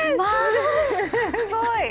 すごい！